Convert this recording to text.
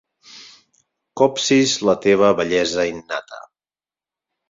Copsis la teva bellesa innata.